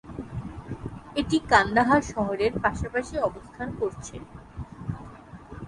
এটি কান্দাহার শহরের পাশাপাশি অবস্থান করছে।